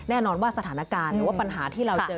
แน่นอนว่าสถานการณ์หรือว่าปัญหาที่เราเจอ